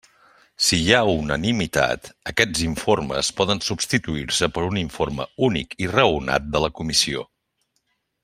Si hi ha unanimitat, aquests informes poden substituir-se per un informe únic i raonat de la Comissió.